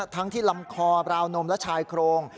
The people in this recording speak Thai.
ทั้งที่ลำคอราวนมและชายโครง